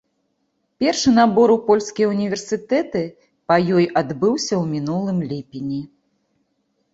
Першы набор у польскія ўніверсітэты па ёй адбыўся ў мінулым ліпені.